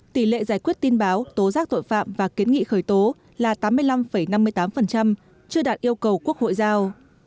tỷ lệ giải quyết tin báo tố giác tội phạm và kiến nghị khởi tố là tám mươi năm năm mươi tám chưa đạt yêu cầu quốc hội giao